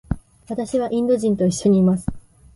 私はインド人と一緒にいます。